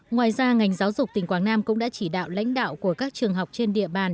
ngoài ra ngành giáo dục tỉnh quảng nam cũng đã chỉ đạo lãnh đạo của các trường học trên địa bàn